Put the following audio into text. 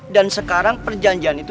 dan sekarang perjanjian itu